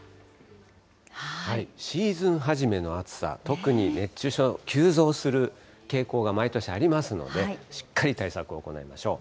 シーズン初めの暑さ、特に熱中症、急増する傾向が毎年ありますので、しっかり対策を行いましょう。